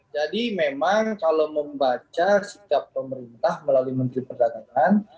jadi memang kalau membaca setiap pemerintah melalui menteri perdagangan